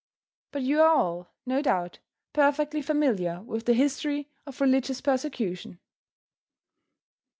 But you are all, no doubt, perfectly familiar with the history of religious persecution.